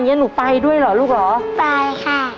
หนูไปด้วยเหรอลูกเหรอไปค่ะ